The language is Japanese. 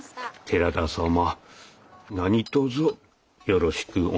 寺田様何とぞよろしくお願いします。